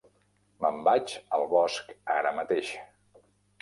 Me'n vaig al bosc ara mateix.